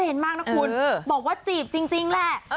หนุ่มออซุพนนัน